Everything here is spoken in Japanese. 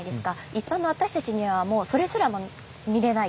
一般の私たちにはもうそれすらも見れない？